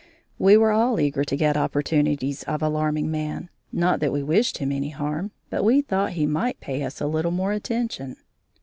We were all eager to get opportunities of alarming man, not that we wished him any harm, but we thought he might pay us a little more attention.